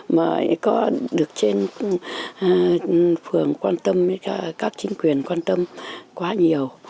mà có được trên phường quan tâm các chính quyền quan tâm quá nhiều